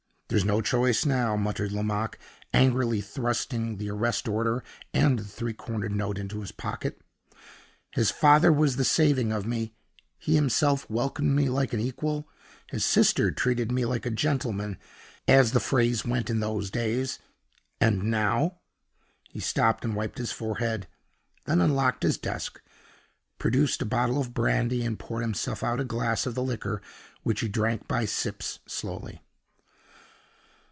"There's no choice now," muttered Lomaque, angrily thrusting the arrest order and the three cornered note into his pocket. "His father was the saving of me; he himself welcomed me like an equal; his sister treated me like a gentleman, as the phrase went in those days; and now " He stopped and wiped his forehead then unlocked his desk, produced a bottle of brandy, and poured himself out a glass of the liquor, which he drank by sips, slowly.